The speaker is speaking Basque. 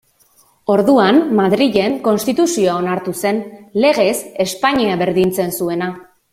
Orduan, Madrilen konstituzioa onartu zen, legez Espainia berdintzen zuena.